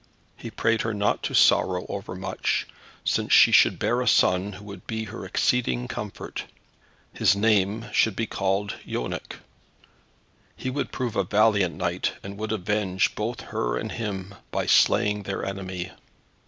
He prayed her not to sorrow overmuch, since she should bear a son who would be her exceeding comfort. His name should be called Yonec. He would prove a valiant knight, and would avenge both her and him by slaying their enemy.